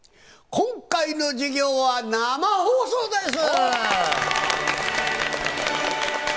今回の授業は生放送です。